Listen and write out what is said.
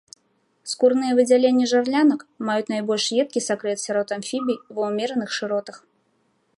Скурныя выдзяленні жарлянак маюць найбольш едкі сакрэт сярод амфібій ва ўмераных шыротах.